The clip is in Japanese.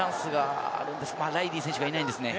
ライリー選手がいないですね。